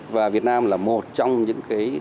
và việt nam là một trong những cái